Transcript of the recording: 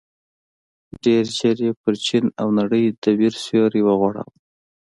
ډېر ژر یې پر چين او نړۍ د وېر سيوری وغوړاوه.